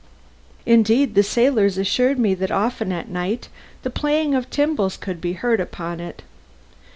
Indeed, the sailors assured me that often at night the playing of timbals could be heard upon it.